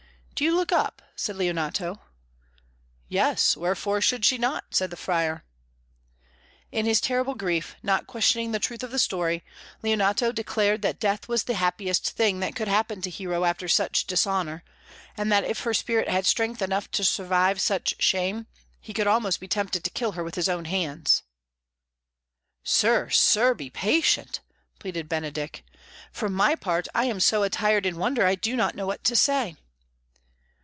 "Do you look up?" said Leonato. "Yes; wherefore should she not?" said the Friar. In his terrible grief, not questioning the truth of the story, Leonato declared that death was the happiest thing that could happen to Hero after such dishonour, and that if her spirit had strength enough to survive such shame, he could almost be tempted to kill her with his own hands. "Sir, sir, be patient!" pleaded Benedick. "For my part, I am so attired in wonder I do not know what to say."